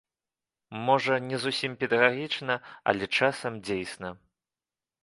Можа, не зусім педагагічна, але часам дзейсна.